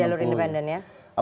jadi jalur independen ya